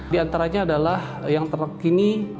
di antaranya adalah yang terkini